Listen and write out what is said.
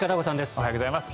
おはようございます。